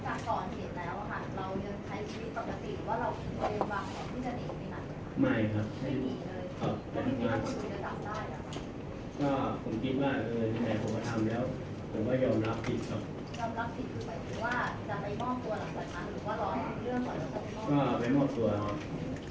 ก็จะเสียชีวิตโดย